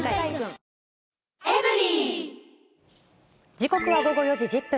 時刻は午後４時１０分。